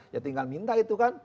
ya tinggal minta itu kan